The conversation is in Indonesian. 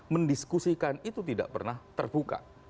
mendiskusikan itu tidak pernah terbuka